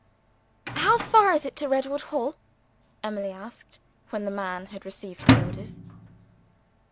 "How far is it to Redwood Hall?" Emily asked, when the man had received his orders.